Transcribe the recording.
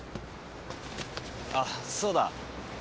あそうだ。